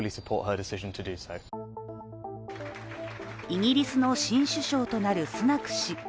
イギリスの新首相となるスナク氏。